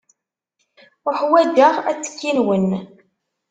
Uḥwaǧeɣ attekki-nwen.